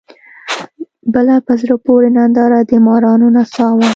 بله په زړه پورې ننداره د مارانو نڅا وه.